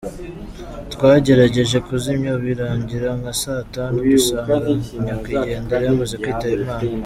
Twagerageje kuzimya birangira nka saa tanu dusanga nyakwigendera yamaze kwitaba Imana.